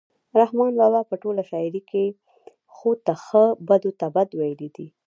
رحمان بابا په ټوله شاعرۍ کې ښو ته ښه بدو ته بد ویلي دي.